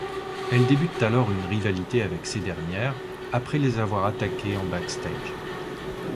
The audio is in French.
Elles débutent alors une rivalité avec ces dernières après les avoir attaquées en backstage.